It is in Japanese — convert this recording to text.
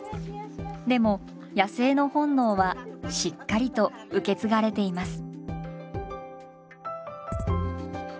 でも野生の本能はしっかりと受け継がれています。